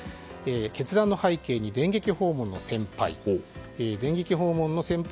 決断の背景に電撃訪問の先輩。